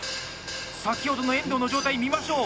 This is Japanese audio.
先ほどの遠藤の状態見ましょう。